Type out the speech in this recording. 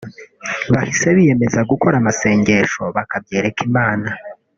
bahise biyemeza gukora amasengesho bakabyereka Imana